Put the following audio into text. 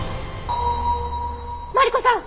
マリコさん